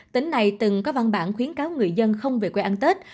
tỉnh này từng có văn bản khuyến cáo người dân không về quê ăn tết